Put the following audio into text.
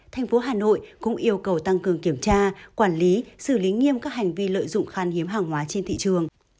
thành phố hà nội cũng yêu cầu tăng cường kiểm tra quản lý xử lý nghiêm các hành vi lợi dụng khan hiếm hàng hóa trên thị trường